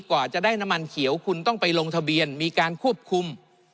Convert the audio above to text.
กว่าจะได้น้ำมันเขียวคุณต้องไปลงทะเบียนมีการควบคุม